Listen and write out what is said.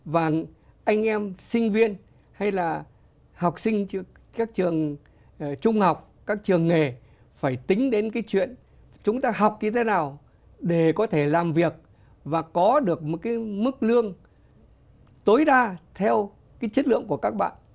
và anh em sinh viên hay là học sinh các trường trung học các trường nghề phải tính đến cái chuyện chúng ta học như thế nào để có thể làm việc và có được một cái mức lương tối đa theo cái chất lượng của các bạn